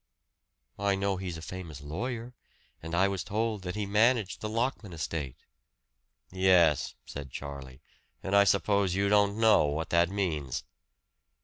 "I know he's a famous lawyer; and I was told that he managed the Lockman estate." "Yes," said Charlie, "and I suppose you don't know what that means!"